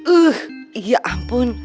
ih ya ampun